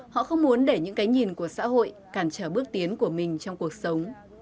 họ không muốn để những cái nhìn của xã hội cản trở bước tiến của mình trong cuộc sống